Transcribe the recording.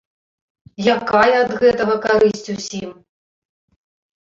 Якая ад гэтага карысць усім?